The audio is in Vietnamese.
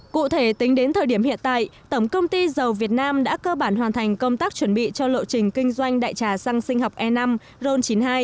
cụ thể tính đến thời điểm hiện tại tổng công ty dầu việt nam đã cơ bản hoàn thành công tác chuẩn bị cho lộ trình kinh doanh đại trà xăng sinh học e năm ron chín mươi hai